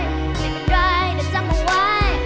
ไม่เป็นไรแต่จำมองไว้